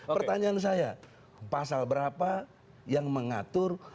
pertanyaan saya pasal berapa yang mengatur